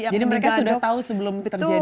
jadi mereka sudah tahu sebelum terjadinya kecelakaan